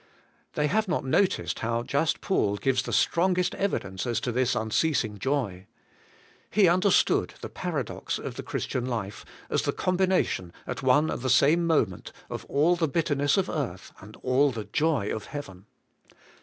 They have not noticed how just Paul gives the strongest evidence as to this unceasing joy. He understood the paradox of the Christian life as the combination at one and the same moment of all the bitterness of earth and all the joy of heaven.